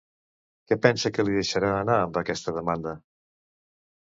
Què pensa que li deixarà anar amb aquesta demanda?